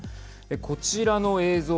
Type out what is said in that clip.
こちらの映像